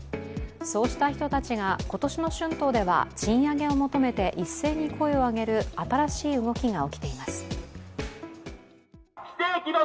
そうした人たちが今年の春闘では賃上げを求めて一斉に声を上げる新しい動きが起きています。